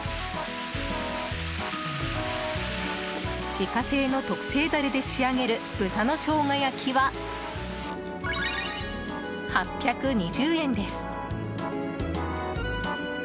自家製の特製ダレで仕上げる豚のショウガ焼きは８２０円です。